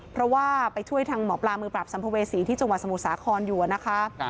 เพราะว่าไปช่วยทางหมอปลามือปราบสัมภเวษีที่จังหวัดสมุทรสาครอยู่นะคะ